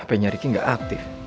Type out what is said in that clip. hape nyari ki gak aktif